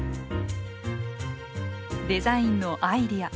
デザインのアイデア。